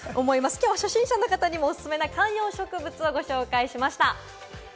きょうは初心者の方にもおすすめな観葉植物をご紹介しました。